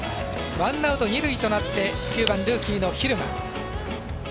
ワンアウト、二塁となって９番ルーキーの蛭間。